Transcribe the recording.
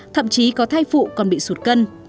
thậm chí có thai phụ còn bị sụt cân